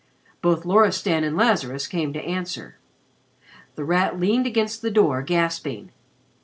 Both Loristan and Lazarus came to answer. The Rat leaned against the door gasping.